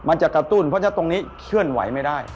จะกระตุ้นเพราะถ้าตรงนี้เคลื่อนไหวไม่ได้